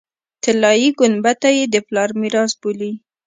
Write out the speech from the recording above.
طلایي ګنبده یې د پلار میراث بولي.